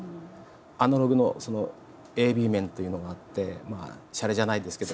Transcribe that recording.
アナログのそのＡＢ面というのがあってまあシャレじゃないですけど。